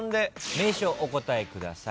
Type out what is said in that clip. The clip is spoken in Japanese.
名称お答えください。